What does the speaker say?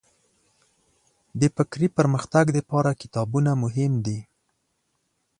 د فکري پرمختګ لپاره کتابونه مهم دي.